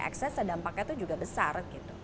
ekses dan dampaknya tuh juga besar